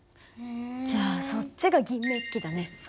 じゃあそっちが銀めっきだね。